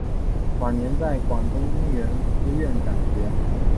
晚年在广东应元书院讲学。